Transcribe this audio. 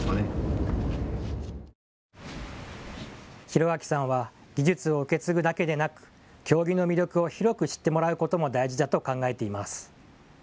広彰さんは技術を受け継ぐだけでなく経木の魅力を広く知ってもらうことも大事だと考えています。